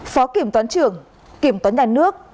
phó kiểm toán trưởng kiểm toán nhà nước